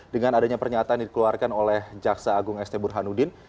dengan adanya pernyataan yang dikeluarkan oleh jaksa agung st burhanuddin